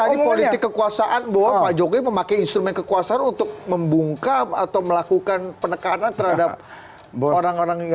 tadi politik kekuasaan bahwa pak jokowi memakai instrumen kekuasaan untuk membungkam atau melakukan penekanan terhadap orang orang yang